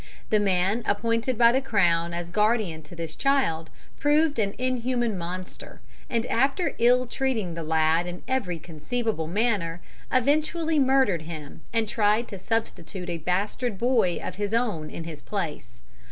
The man appointed by the Crown as guardian to this child proved an inhuman monster, and after ill treating the lad in every conceivable manner, eventually murdered him and tried to substitute a bastard boy of his own in his place.